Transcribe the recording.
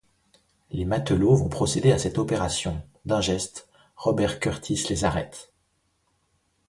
Les matelots vont procéder à cette opération, d’un geste, Robert Kurtis les arrête.